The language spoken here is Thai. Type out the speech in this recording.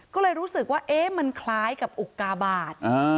ก็เลยรู้สึกว่าเอ๊ะมันคล้ายกับอุกาบาท